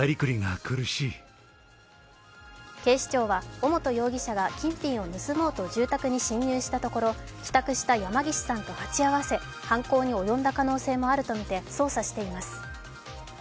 警視庁は尾本容疑者が金品を盗もうと住宅に侵入したところ帰宅した山岸さんと鉢合わせ、犯行に及んだ可能性もあるとみて捜査しています。